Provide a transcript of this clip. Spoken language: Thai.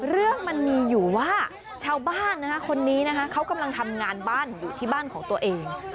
เรื่องมันมีอยู่ว่าชาวบ้านคนนี้นะคะเขากำลังทำงานบ้านอยู่ที่บ้านของตัวเอง